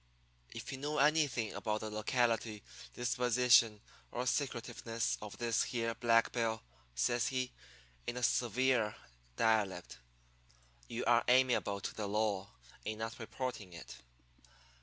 "'If you know anything about the locality, disposition, or secretiveness of this here Black Bill,' says he, in a severe dialect, 'you are amiable to the law in not reporting it.'